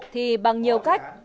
thì bằng nhiều cách